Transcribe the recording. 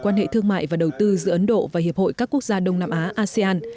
quan hệ thương mại và đầu tư giữa ấn độ và hiệp hội các quốc gia đông nam á asean